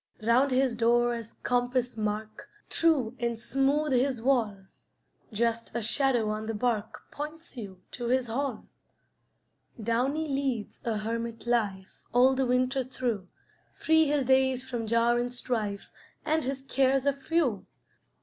Round his door as compass mark, True and smooth his wall; Just a shadow on the bark Points you to his hall. Downy leads a hermit life All the winter through; Free his days from jar and strife, And his cares are few.